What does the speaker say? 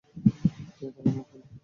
তুই এত অনড় কেন?